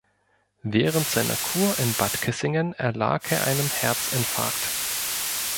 Während seiner Kur in Bad Kissingen erlag er einem Herzinfarkt.